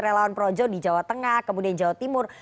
relawan projo di jawa tengah kemudian jawa timur